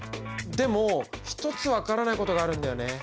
でも一つ分からないことがあるんだよね。